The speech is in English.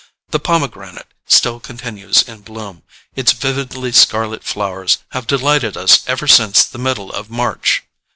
The pomegranate still continues in bloom: its vividly scarlet flowers have delighted us ever since the middle of March.